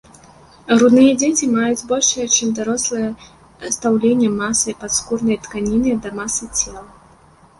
Грудныя дзеці маюць большае чым дарослыя, стаўленне масы падскурнай тканіны да масы цела.